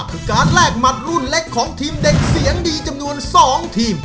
คือการแลกหมัดรุ่นเล็กของทีมเด็กเสียงดีจำนวน๒ทีม